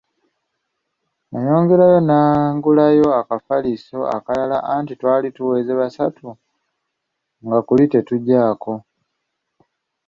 Nayongera ne ngulayo akafaliso akalala anti twali tuweze basatu nga kuli tetugyako.